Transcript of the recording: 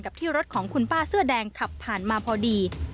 ที่รถของคุณป้าเสื้อแดงขับผ่านมาพอดี